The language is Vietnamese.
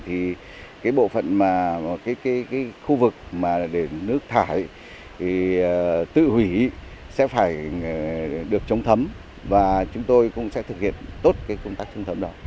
thì bộ phận khu vực để nước thải tự hủy sẽ phải được chống thấm và chúng tôi cũng sẽ thực hiện tốt công tác chống thấm đó